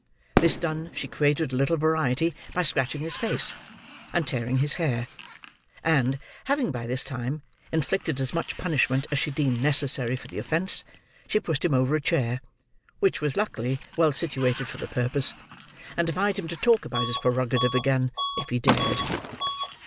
This done, she created a little variety by scratching his face, and tearing his hair; and, having, by this time, inflicted as much punishment as she deemed necessary for the offence, she pushed him over a chair, which was luckily well situated for the purpose: and defied him to talk about his prerogative again, if he dared.